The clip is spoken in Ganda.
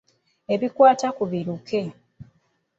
Ebikwata ku biruke.